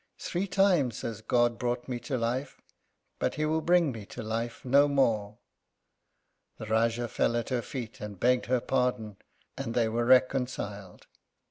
Three times has God brought me to life, but he will bring me to life no more." The Rájá fell at her feet and begged her pardon, and they were reconciled.